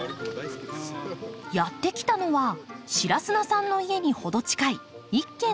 やって来たのは白砂さんの家に程近い一軒の農家。